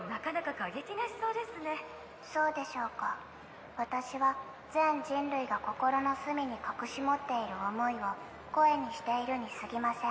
それにして私は全人類が心の隅に隠し持っている思いを声にしているにすぎません。